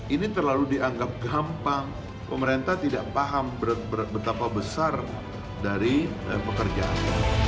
ini terlalu dianggap gampang pemerintah tidak paham betapa besar dari pekerjaan